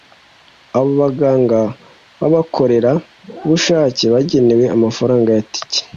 Abo baganga b’abakorera bushake bagenerwa amafaranga ya tike